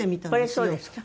これそうですか？